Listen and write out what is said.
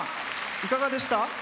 いかがでした？